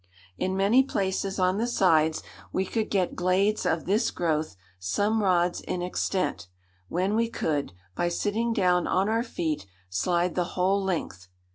In many places on the sides we could get glades of this growth some rods in extent, when we could, by sitting down on our feet, slide the whole length.